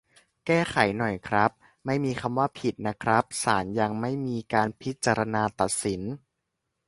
แก้ไขหน่อยครับ ไม่มีคำว่า "ผิด" นะครับ ศาลยังไม่มีการพิจารณาตัดสิน